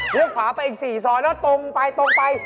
เหลือขวาไปอีก๔ซอยแล้วตรงไป